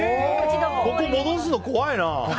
ここ戻すの怖いな！